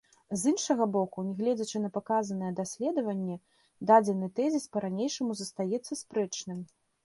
З іншага боку, нягледзячы на паказанае даследаванне, дадзены тэзіс па-ранейшаму застаецца спрэчным.